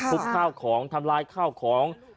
ข้าวของทำลายข้าวของ